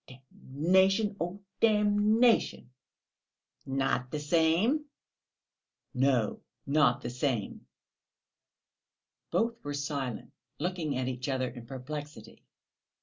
(Oh, damnation, damnation!)." "Not the same?" "No, not the same." Both were silent, looking at each other in perplexity.